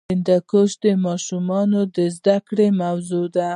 هندوکش د ماشومانو د زده کړې موضوع ده.